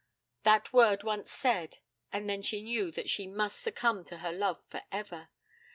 That word once said, and then she knew that she must succumb to her love for ever!